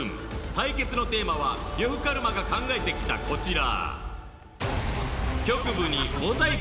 対決のテーマは呂布カルマが考えてきたこちら